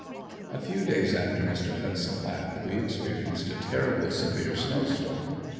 A few days after Mr. Hudson left we experienced a terrible severe snow storm.